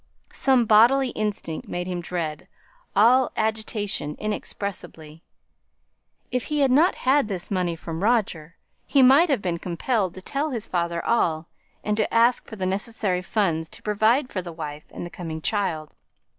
Some bodily instinct made him dread all agitation inexpressibly. If he had not had this money from Roger, he might have been compelled to tell his father all, and to ask for the necessary funds to provide for the wife and the coming child.